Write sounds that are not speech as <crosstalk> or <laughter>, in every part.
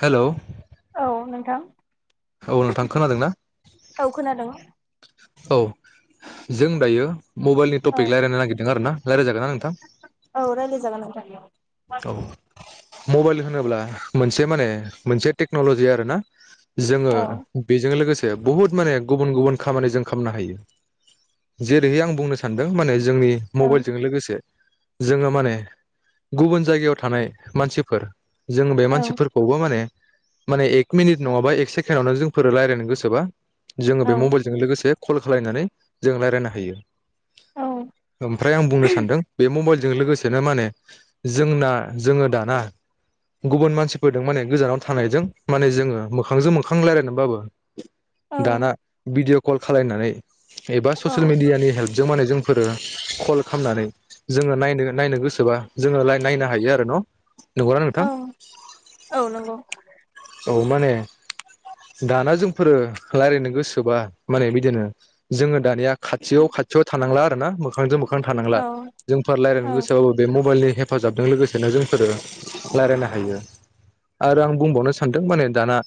हेल' औ नोंथां औ नोंथां खोनादों ना औ खोनादों औ जों दायो मबाइलनि औ टपिक रायज्लायनो नागिरदों आरो ना <unintelligible> औ रायज्लाय जागोन नोंथां। औ मबाइल होनोब्ला मोनसे माने मोनसे टेक्नलजि आरोना जोङो औ बेजों लोगोसे बहुद माने गुबन गुबन खामनो हायो जेरैह आ बुंनो सानदों माने जोंनि औ मबाइलजों लोगोसे जोङो माने गुबुन जायगायाव थानाय मानसिफोर जों बे औ मानसिफोरखौबो माने माने एक मिनिट नङाबा एक सेकेणडावनो जोंफोरो रायज्लायनो गोसोबा जोङो औ बे मबाइलजों लोगोसे कल खालायनानै जों रायजलायनो हायो । ओमफ्राय आं बुंनो सानदों बे मबाइल जों लोगोसेनो माने जोंना जोङो दाना गुबुन मानसिफोरजों माने गोजानाव थानायजों माने जोङो मोखांजों मोखां रायलायनानैबाबो औ दाना बिडिअ कल खालायनानै एबा ससियेल मिदिया नि हेल्प जों माने जोंफोरो कल खालामनानै जोङो नायनो नायनो गोसोबा जोङो लाय नायनो हायो आरो न'? नंगौ ना औ नोंथां? औ नंगौ औ माने दाना जोंफोरो रायज्लायनो गोसोबा माने बिदिनो जोङो दानिया खाथियाव-खाथियाव थानांला आर ना मोखांजों मो खां औ थानांला जोंफोर औ रायल्लायनो गोसोबाबो बे मबाइलनि हेफाजाबजों लोगोसेनो जोंफोरो रायज्लायनो हायो आरो आं बुंबावनो सानदों माने दाना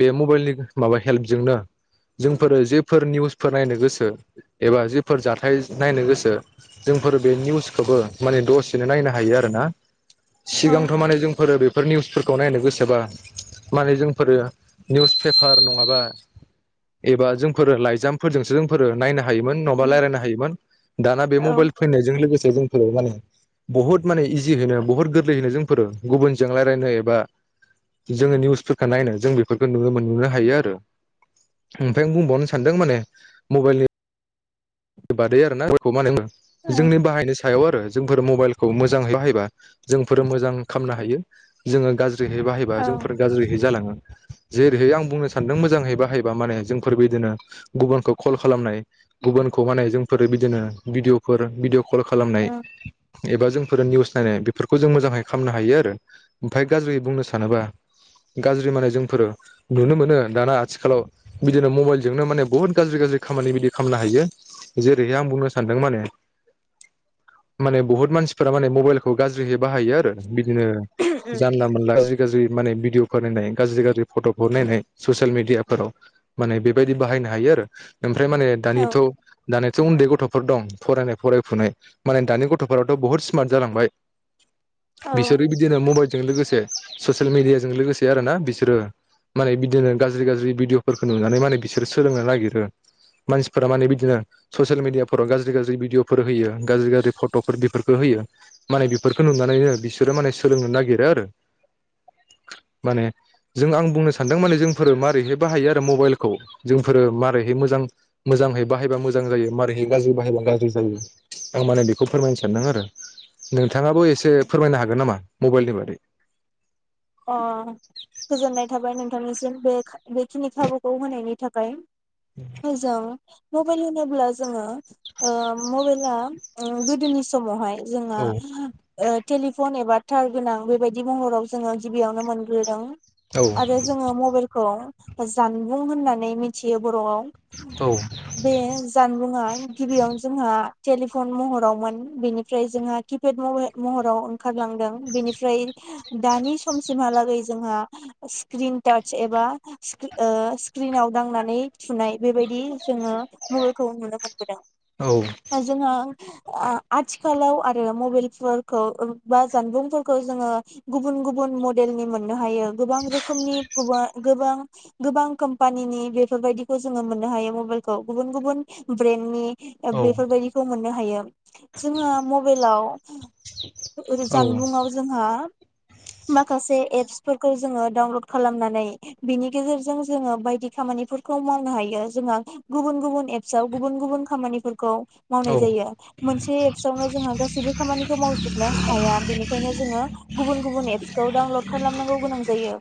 बे मबाइलनि माबा हेल्पजोंनो जोंफोरो जेफोर निउसफोर नायनो गोसो एबा जेफोर जाथाय नायनो गोसो जोंफोरो बे निउसखौबो माने दसेनो नायनो हायो आरोना । औ सिगांथ माने जों फोरो बे फोर निउसफोरखौ नायनो गोसोबा माने जोंफोरो निउस पेपार नङाबा एबा जोंफोरो लाइजामफोरजोंसो जोंफोरो नायनो हा योमोन औ नडाबा रायलायनो हायोमोन दाना बे औ मबाइल फैनायजों लोगो से जोंफोरो माने बहुत माने इजिनो बुहुत गोरलैयैनो जोंफोर गुबुनजों रायजनो एबा जोनि निउस फोरखो नायनो जों बेफोरखौ नु मोननो हायो आरो ओमफ्राय आं बुंबावनो सानदों माने मबाइलनि बे बादै आरो ना <unintelligible> जोंनि बाहायनो सो सायाव आरो जों मबाइलखौ मोजांहझ बाहायोबा जोंफोर मोजां खालामनो हायो जोंनो गाज्रि बेहाय बाहायबा औ जोंफोर गाज्रिहै जालाङो । जेरैहाय आं बुंनो सान्दों मोजांहै बाहायबा माने जोंफोरबो दिनो गुबुनखौ ख'ल खालामनाय गुबुन खौ माने जोंफोर बिदिनो भिडिअ'फोर भिदिअ' क'ल खालामनाय एबा जोंफोर निउस नायनाय बेफोरखौ जों मोजांहै खामनो हायो आरो ओमफ्राय गाज्रि बुंनो सानोबा गाज्रि माने जोंफोर नुनो मोनो दाना आथिखालाव बिदिनो मबाइलजोंनो माने बुहुत गाज्रि गाज्रि खामानि बिदि खामनो हायो । जेरैहाय आं बुंनो सानदों माने माने बुहुत मानसिफोरा माने मबाइलखौ गाज्रिहै बाहायो आरो बिदिनो जानला मोनला <unintelligible> गाज्रि माने भिडिअ फोर नायनाय गाज्रि गाज्रि फट' खौ नायनाय ससियेल मिडिया फोराव माने बेबायदि बाहायनो हायो आरो ओमफ्राय माने दानिथ' दानियाथ' उन्दै गथ'फोर दं फरायनाय फरायफुनाय माने दानि गथ'फोराथ' बुहुत स्मार्ट जालांबाय औ बिसोरो बिदिनो मबाइलजों लोगोसे स ससेल मिडियाजों लोगोसे आरो ना बिसोरो माने बिदिनो गाज्रि गाज्रि भिडिअफोरखो नुनानै माने बिसोरो सोलोंनो नागिरो मानसिफोरा माने बिदिनो। ससेल मिडियाफोराव गाज्रि गाज्रि भिडिअफोर होयो गाज्रि गाज्रि फट'फोर बेफोरखो होयो माने बेफोरखो नुनानैनो बिसोरो माने सोलोंनो नागिरो आरो माने जों आं बुंनो सानदों माने जोंफोर मारैहाय बाहायो आरो मबाइलखौ जोंफोरो मारैहाय मोजां मोजांहै बाहायबा मो जायो मारैहाय गाज्रि बाहायबा गाज्रि जायो आं माने बेखौ फोरमायनो सानदों आरो। नोंथाङाबो एसे फोरमायनो हागोन नामा? मबाइलनि बादै। अ गोजोननाय थाबाय नोंथांनिसिम बे बेखिनि खाबुखौ होनायनि थाखाय। मोजां। मबाइल होनोब्ला जोङो ओ मबाइला गोदोनि समावहाय। जोङो। औ ओ टेलिफ'न एबा थार गोनां बेबायदि महराव जोङो गिबियावनो मोनग्रोदों। औ आरो जोङो मबेलखौ। जानबुं होननानै मिथियो बर'आव। बे जानबुंआ गिबियाव जोंहा टेलिफ'न महरावमोन बेनिफ्राय जोंहा किपेड महराव ओंखारलांदों बेनिफ्राय दानि समसिमहालागै जोंहा स्क्रिन टाच एबा ओ स्क्रिनाव दांनानै थुनाय बेबायदि जोङो मबाइलखौ नुनो मोनबोदों। औ ओ जोंङा आ आथिखालाव आरो मबाइलफोरखौ बा जानबुंफोरखौ जोङो गुबुन गुबन बुन म'डेलनि मोननो हायो। गोबां रोखोमनि गोबां गोबां कम्पानिनि बेफोरबायदिखौ जोङो मोननो हायो मबाइलखौ गुबुन गुबुन ब्रेन्डनि ओ औ बेफोरबायदिखौ मोननो हायो जोंहा मबेलाव औ जानबुङाव जोंहा खासे एप्सफोरखौ जोङो डाउनल'ड खालामनानै बिनि गेजेरजों जोङो बायदि खामानिफोरखौ मावनो हायो जोंहा गुबुन गुबुन एप्सआव गुबुन गुबुन खामानिफोरखौ औ मावनाय जायो मोनसे एप्सआवनो जोंहा गासैबो खामानिखौ मावजोबनो हाया बेनिखायनो जोङो गुबुन गुबुन एप खौ डाउलद खालामनांगौ गोनां जायो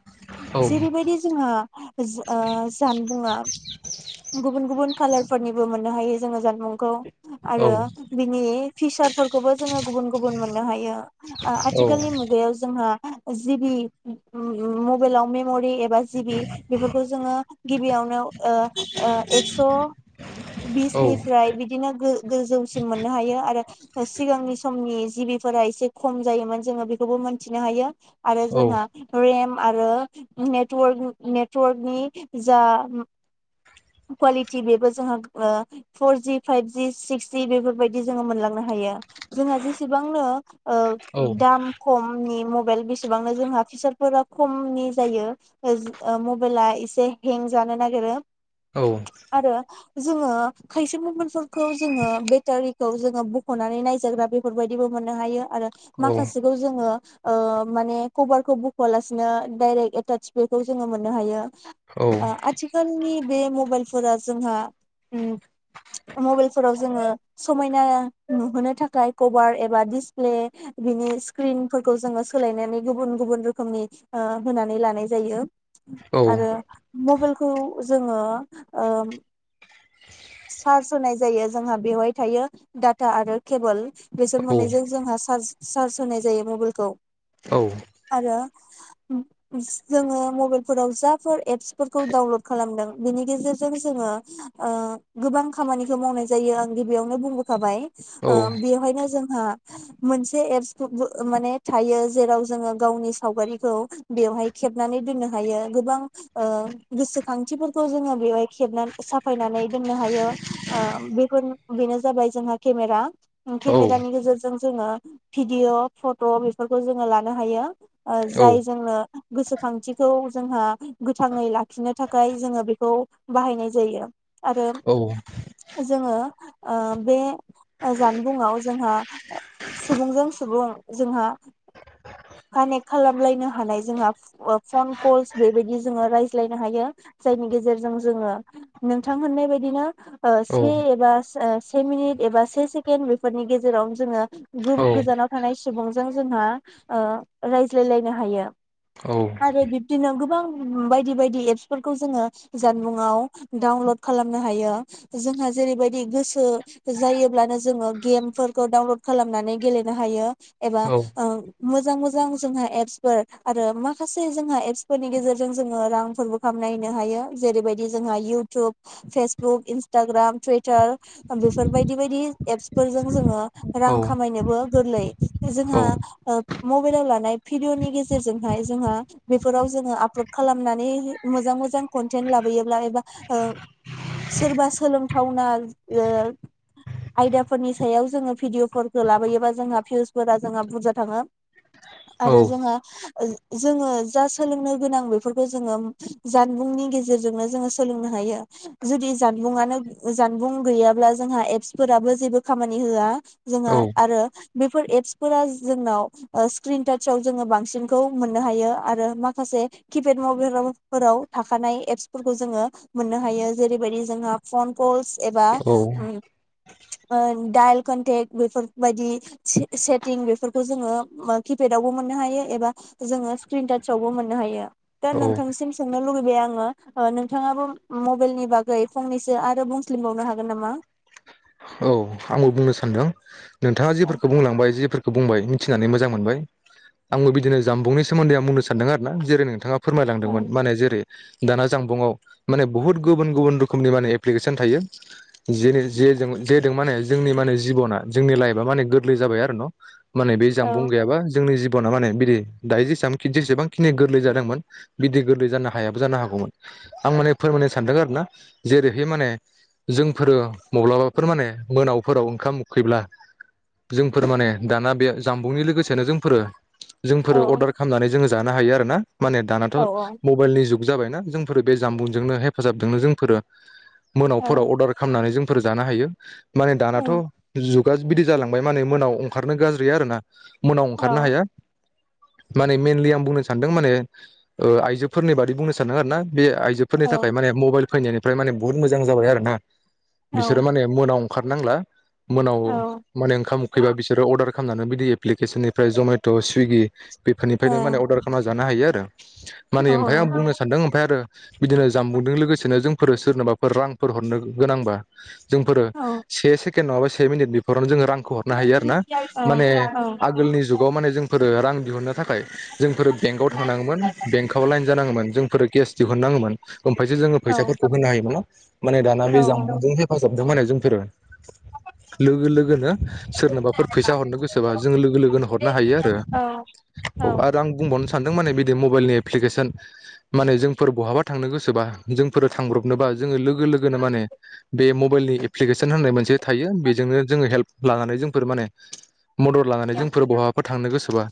जेरैबायदि जोंहा जानबुङा गुबन गुबन गुबुन कालारफोरनिबो मोननो हायो जोङो जानबुंखौ। औ आरो बिनि फिसार फोरखौबो जोङो गुबुन गुबुन मोननो हायो आथिखालनि मुगायाव जोंहा जुदि मबाइलाव मेमरि एबा जिबि बेफोरखौ जोङो गिबियावनो एक्स बिसनिफ्राय बिदिनो गोजौसिम मोननो हायो आरो। सिगांनि समनि जिबिफोरा एसे खम जायोमोन जोङो बेखौबो मोनथिनो हायो। आरो जोंहा रेम। आरो नेटवर्क नेटवर्कनि जा कुवालिटि बेबो जोंहा ओ फरजि फाइभजि सिक्सजि बेफोरबायदि जोङो मोनलांनो हायो। जोंहा जेसेबांनो ओ दाम खमनि मब एल बिसेबांनो जोंहा फिसारफोरा खमनि जायो मबाइला एसे हें जानो नागिरो। आरो जोङो खायसे मबाइल फोर खौ जोङो बेटारि खौ जोङो बख'नानै नायजाग्रा बेफोरबायदिबो मोननो हायो। आरो औ माखासेखौ जोङो ओ माने कभारखौ बखआलासिनो दडाइरेक्ट एटाच बेखौ जोङो मोननो हायो। औ आथिखालनि बे मबाइलफोरा जोंहा ओ मबाइलफोराव जोङो समायना नुहोनो थाखाय कभार एबा दिसप्ले बिनि स्क्रिनफोर खौ जोङो सोलायनानै गुबुन-गुबुन रोखोमनि ओ होनानै लानाय जायो। आरो आंबो मबाइल खौ जोङो ओ सार्च होनाय जायो जोंहा बेवहाय थायो डाटा आरो केबोल। बेसोर मोननैजों जोंहा चार्ज सार्ज होनाय जायो मबाइल खौ। आरो <unintelligible> जोङो मबाइलफोराव जाफोर एप्स फोरखौ डाउनलड खालामदों। बेनि गेजेरजों जोङो ओ गोबां खामानिखौ मावनाय जायो आं गिबियावनो बुंबोखाबाय। ओ बेवहायनो जों हो मोनसे एप्सखौबो माने थायो जेराव जोङो गावनि सावगारिखौ बेवहाय खेबनानै दोननो हायो गोबां ओ गोसोखांथिफोरखौ जोङो बेवहाय खेबनान साफायनानै दोननो हायो ओ बेखौन बेनो जाबाय जोंहा केमेरा। केमेरानि गेजेरजों ज जोङो भिदिअ फट' बेस फोरखौ जोङो लानो हायो। ओ जाय जोंनो गोसोखांथिखौज जोंहा गोथाङै लाखिनोथ थाखाय जोङो बेखौ बाहायनाय जायो। आरो जोङो ओ बे जानबुंआव जोंहा सुबुंजों सुबुं जोंहा कानेक्ट खालामलायनो ह हानाय जोंहा ओ फन कलस बेबायदि जोङो रायज्लायनो हायो जायनि गेजेरजों जोङो नोंथां होननाय बायदिनो ओ से एबास से से मिनिट एबा से सेकेणड बेफोरनि गेजेरावन जोङो गोब गोजानाव थानाय सिद सुबंजों जोंहा ओ रायज्लायलायनो हायो। बुंनो आरो बिबदिनो गोबां बायदि बायदि एपसफोरखौ जोङो जानबुंआव डाउनलड खालामनो हायो जोंहा जेरैबायदि गोसो जायोब्लानो जोङो गेमफोरखौ डाउनलड खालामनानै गेलेनो हायो। औ। मोजां मोजां जोंहा एप्सफोर आरो माखासे जोंहा एप्सफोरनि गेजेरजों जोङो रांफोरबो खामनायनो हायो जेरैबायदि जोंहा इउटुब फेसबुक इन्सटाग्राम टुइटार बेफोरबायदि बायदि एप्सफोरजों जोङो रां खामायनोबो गोरलै जो जोंहा ओब मबाइलाव लानाय भिडिअनि गेजेरजोंहाय जोंहा बेफोराव जोङो आपल'ड खालामनानै मोजां मोजां कन्टेन्ट लाबोयोब्ला एबा ओ सोरबा सोलोंथावना ज ओ आयदाफोरनि सायाव जोङो भिडिअफोरखौ लाबोयोबा जोंहा भियुस फोरा जोंहा बुरजा थाङो। आरो जोहा ओज जोङो जा सोलोंनो गोनां बेफोरखौ जोङो जानबुंनि गेजेरजोंनो जोङो सोलोंनो हायो जुदि जानबुंआनो जानबुं गैयाब्ला जोंहा एप्स फोराबो जेबो खामानि होआ जोंहा आरो बेफोर एप प्स फोर जोंनाव ओ स्क्रिन टाचाव जोङो बांसिनखौ मोननो हायो आरो माखासे किपेड मबाइल फोराव थाखानाय एप्सफोरखौ जोङो मोननो हायो जेरैबायदि जोंहा फन कलस। एबा उम ओ दाइल कोन्टेक बेफोरबायदि से सेटिं बेफोरखौ जोङो किपेडावबो मोननो हायो एबा जोङो स्क्रिन टाचावबो मोननो हायो दा नोंथांनिसिम सोंनो लुुबैबाय आङो ओ नोंथाङाबो मबाइलनि बागै फननिैसो आरो बुंसलिमबावनो हागोन नामा। आंबो बुंनो सानदों। नोंथाङा औ जिफोरखौ बुंलांबाय जेफोरख खौ बुंबाय मिथिनानै मोजां मोनबाय आंबो बिदिनो जाम्बुंनि सोमोन्दै आं बुंनो सानदों आरो ना जेरै नोंथांङा फोरमायलांदोंमोन औ माने जेरै दाना जानबुंङाव माने बुहुत गुबुन गुबुन रोखोमनि माने एप्लिकेसन थायो जेरै जेजों जेदों माने जोंनि माने जिबना जोंनि लाइफआ माने गोरलै जाबाय आरो न' माने बे औ जानबुं गैयाबा जोंनि जि बना‌ माने बिदि दायो जेसेबां जेसेबांखिनि गोरलै जादोंमोन बिदि गोरलै जानो हायाबो जानो हागौमोन आं माने फोरमायनो सानदों आरोना जेरैहाय माने जोंफोर मब्लाबाफोर माने मोनाव फोराव ओंखाम उखैब्ला जोंफोर माने दाना बे जामबुंनि लोगोसेनो जोंफोरो जोंफोरो औ अर्डार खालामनानै जोंङो जानो हायो आरो ना माने दानाथ' औ मबाइल नि जुग जाबायना जोंफोरो बे जामबुंजोंनो हेफाजाबजोंनो जोंफोरो मोनावफोराव औ अर्डार खामनानै जों फोर जानो हायो माने थ' जुग गा बिदि जालांबाय माने मोनाव अंखारनो गाज्रि आरो ना। मोनाव औ ओंखारनो हाया। माने मेनलि आं बुंनो सानदों माने आइजोफोरनि ओ बादै बुंनो सानदों आरो ना। बे आइजोफोरनि औ थाखाय माने मबाइल फैनायनिफ्राय माने बुहुत मोजां जाबाय आरो ना। बिसोरो माने मोनाव अंखार नांला मोनाव माने ओंखाम उखैबा बिसोरो अर्डार खालामनानै बिदि एप्लिकेसननिफ्राय जमेट' सुइगि औ बेफोरनिफ्रायनो माने अर्दार खालामना जानो हायो आ माने ओमफाय आं बुंनो सानदों ओमफ्राय आरो बिदिनो जामबुंजों लोगोसेनो जों फोर सोरनोबाफोर रांफोर हरनो गोनांबा जोंफोर औ से सेके केण्ड नंङाबा से मिनिट बेफोराव जोंङो रांखौ हरनो हायो आरोना माने आगोलनि जुगाव जोंफोर रो रां दिहुननो थाखाय जोंफोर बेंकआव थांनांङोमोन बेंकआव लाइन जानाङोमोन जोंफोर केस दिहुन नाङोमोन । ओमफायसो जोंङो फैसाफोरखौ होनो हायोमोन न? माने दाना बे जामबुंजों हेफाजाब जोबदों होननानै जोंफोरो लोगो लोगोनो सोरनोबाफोर फैसा हरनो गोसोबा जों लोगो लोगोनो हरनो हायो आरो औ आरो आं बुंबावनो सो सानदों माने मबायलनि एफ्लेकेस्न माने जोंफोर बहाबा थांनो गोसोबा जोंफोर थांब्रबनोबा जों लोगो लोगो लोगोनो माने बे म मबाइलनि एप्लिकेसन होननाय मोनसे थायो बेजोंनो जोङो हेल्प लानानै जोंफोर माने मदद लानानै जोंफोर बहाबाफोर थांनो गोसोबा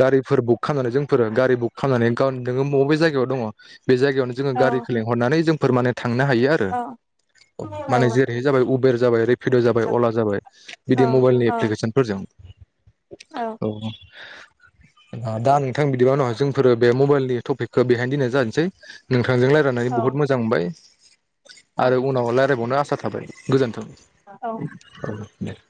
गारिफोर बुक खालामनानै जोंफोरो गारि बुक खालामनानै गाव नोङो मबे जायगायाव दङ। बे जायगायावनो जोङो औ गारिखौ लिंहरनानै जों फोर माने थांनो हायो आरो औ औ माने जेरैहाय जाबाय उबेर। जाबाय रिफिद' जाबाय अला जाबाय औ बिदि मबाइलनि औ एप्लिकेसनफोरजों औ दा नोंथां बिदिबा उनाव जोंफोरो बे मबाइलनि टपिकखौ बेहायनो दोननाय जानोसै नों थांजों रायनानै औ बुहुत मोजां मोनबाय। आरो औ उनाव राय्लायबावनो आसा थाबाय। गोजोन्थोग औ <inaudible>